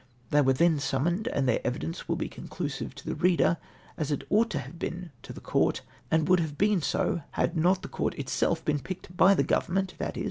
They were then summoned, and their evidence will be conclusive to the reader, as it ought to have been to the Court, and would have been so had not the Court itself been j^icked by the Govern ment, i.e.